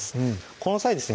この際ですね